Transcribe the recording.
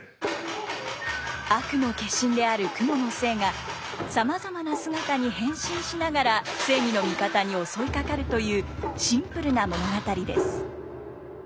悪の化身である蜘蛛の精がさまざまな姿に変身しながら正義の味方に襲いかかるというシンプルな物語です。